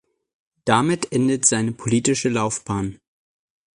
Damit endete seine politische Laufbahn.